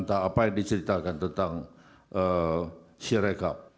entah apa yang diceritakan tentang sirekap